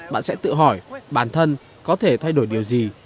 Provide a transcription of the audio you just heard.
bạn sẽ tự hỏi bản thân có thể thay đổi điều gì